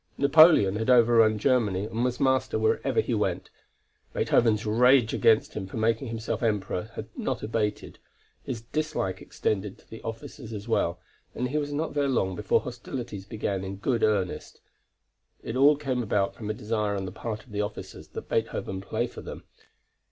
Napoleon had overrun Germany, and was master wherever he went. Beethoven's rage against him for making himself Emperor had not abated; his dislike extended to the officers as well, and he was not there long before hostilities began in good earnest. It all came about from a desire on the part of the officers that Beethoven play for them.